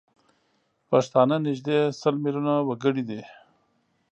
پښتانه نزدي سل میلیونه وګړي دي